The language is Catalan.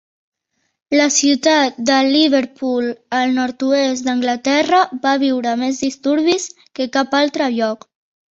La ciutat de Liverpool, al nord-oest d'Anglaterra, va viure més disturbis que cap altre lloc.